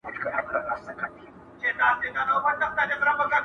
o زه دي باغ نه وينم، ته وا تارو درغلی٫